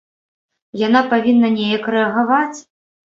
Яна павінна неяк рэагаваць.